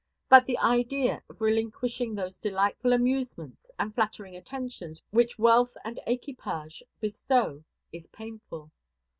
But the idea of relinquishing those delightful amusements and flattering attentions which wealth and equipage bestow is painful.